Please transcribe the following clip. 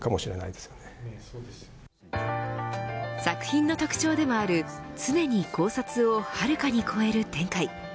作品の特徴でもある常に考察をはるかに超える展開。